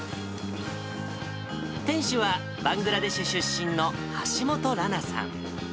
店主は、バングラデシュ出身の橋本らなさん。